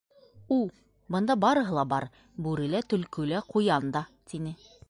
— У, бында барыһы ла бар, бүре лә, төлкө лә, ҡуян да, — тине.